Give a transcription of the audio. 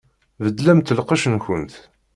Beddlemt lqecc-nkent!